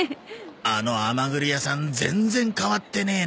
あの甘栗屋さん全然変わってねえな。